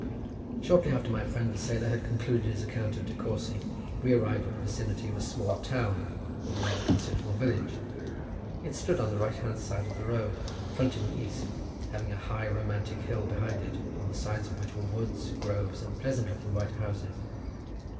Shortly after my friend the sailor had concluded his account of De Courcy we arrived in the vicinity of a small town or rather considerable village. It stood on the right hand side of the road, fronting the east, having a high romantic hill behind it on the sides of which were woods, groves, and pleasant looking white houses.